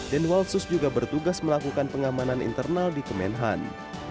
denwalsus juga bertugas melakukan pengamanan internal di kemenhan